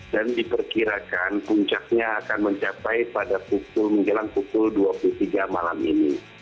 dan diperkirakan puncaknya akan mencapai pada pukul dua puluh tiga malam ini